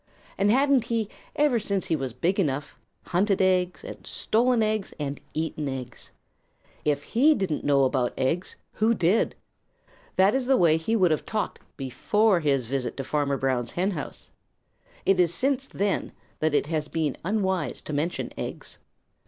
And hadn't he, ever since he was big enough, hunted eggs and stolen eggs and eaten eggs? If he didn't know about eggs, who did? That is the way he would have talked before his visit to Farmer Brown's henhouse. It is since then that it has been unwise to mention eggs.